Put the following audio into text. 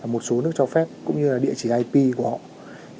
một số nước cho phép cũng như là địa chỉ ip của họ